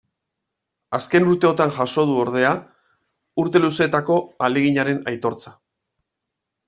Azken urteotan jaso du, ordea, urte luzetako ahaleginaren aitortza.